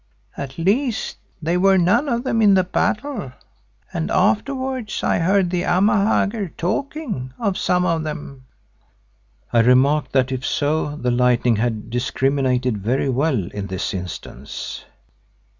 At least they were none of them in the battle and afterwards I heard the Amahagger talking of some of them." I remarked that if so the lightning had discriminated very well in this instance.